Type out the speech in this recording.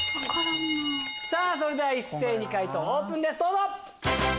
それでは一斉に解答オープンですどうぞ！